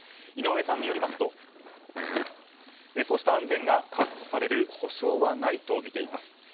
井上さんによりますとそうした安全が確保される保障はないとみています。